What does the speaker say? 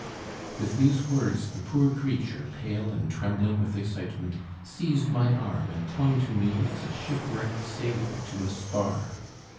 With these words the poor creature, pale and trembling with excitement, seized my arm and clung to me as a shipwrecked sailor to a spar.